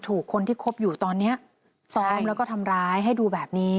ถูกคนที่คบอยู่ตอนนี้ซ้อมแล้วก็ทำร้ายให้ดูแบบนี้